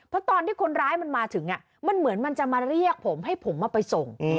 เพราะตอนที่คนร้ายมันมาถึงมันเหมือนมันจะมาเรียกผมให้ผมเอาไปส่ง